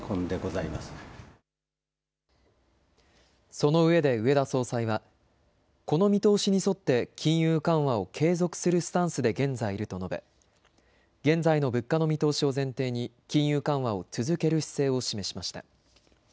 そのうえで植田総裁はこの見通しに沿って金融緩和を継続するスタンスで現在いると述べ現在の物価の見通しを前提に金融緩和を続ける姿勢を示しました。